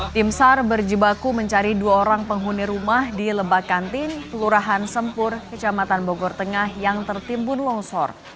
tim sar berjibaku mencari dua orang penghuni rumah di lebakantin kelurahan sempur kecamatan bogor tengah yang tertimbun longsor